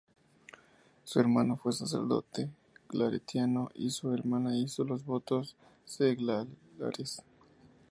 Su hermano fue sacerdote claretiano y su hermana hizo los votos seglares.